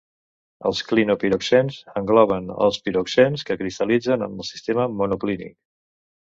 Els clinopiroxens engloben els piroxens que cristal·litzen en el sistema monoclínic.